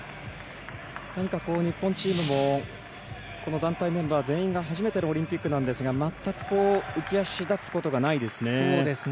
何か日本チームもこの団体メンバー全員が初めてのオリンピックなんですが全く浮足立つことがないですね。